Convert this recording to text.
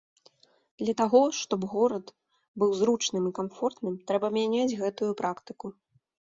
Для таго, што б горад быў зручным і камфортным, трэба мяняць гэтую практыку.